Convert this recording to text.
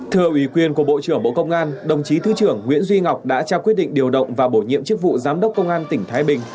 thưa ủy quyền của bộ trưởng bộ công an đồng chí thứ trưởng nguyễn duy ngọc đã trao quyết định điều động và bổ nhiệm chức vụ giám đốc công an tỉnh thái bình